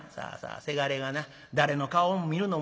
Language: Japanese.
「せがれがな誰の顔を見るのも嫌じゃ。